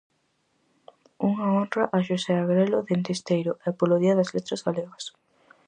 Unha honra a Xosé agrelo dende Esteiro e polo día das letras galega.